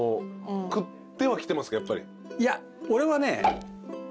いや俺はね。